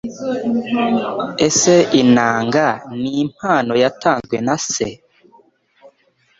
Ese inanga ni impano yatanzwe na se